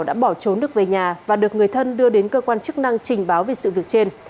cơ quan chức năng đã bảo trốn được về nhà và được người thân đưa đến cơ quan chức năng trình báo về sự việc trên